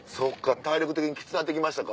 体力的にきつなって来ましたか。